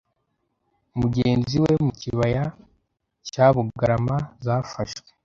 mugenzi we mu kibaya cyabugarama zafashwe